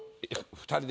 ２人で。